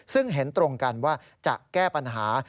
ซึ่งเห็นตรงกันว่าจะแก้ปัญหา